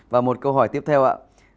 và một câu hỏi tiếp theo ạ